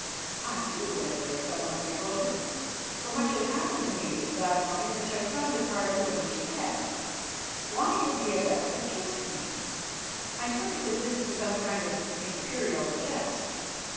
I, too, went away somewhat bewildered, for much had happened to me that morning which I found it hard to understand. Why had the Augusta kissed me? I took it that this was some kind of imperial jest.